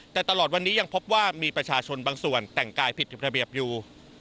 แต่ตลอดวันนี้ยังพบว่ามีประชาชนบางส่วนแต่งกายผิดระเบียบอยู่